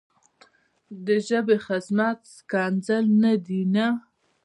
د ژبې خدمت ښکنځل نه دي نه.